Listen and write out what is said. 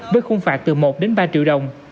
với khung phạt từ một đến ba triệu đồng